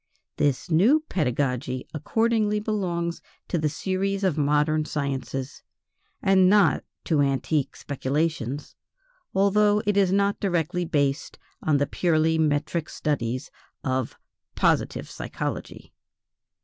This new pedagogy accordingly belongs to the series of modern sciences, and not to antique speculations, although it is not directly based on the purely metric studies of "positive psychology."